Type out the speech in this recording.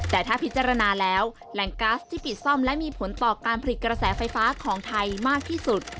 แต่ถ้าพิจารณาแล้วแหล่งก๊าซที่ปิดซ่อมและมีผลต่อการผลิตกระแสไฟฟ้าของไทยมากที่สุด